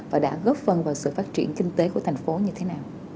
và đã góp phần vào sự phát triển kinh tế của thành phố như thế nào